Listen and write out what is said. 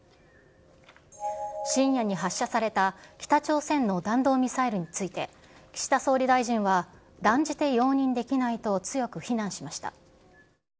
深夜に発射された北朝鮮の弾道ミサイルについて、岸田総理大臣は、断じて容認できないと強く非難しました。